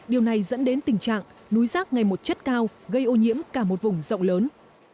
điều này dẫn đến tình trạng núi rác ngày một chất cao gây ô nhiễm cả một vùng rộng lớn